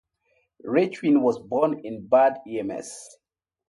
Reichwein was born in Bad Ems.